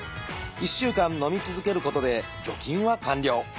１週間のみ続けることで除菌は完了。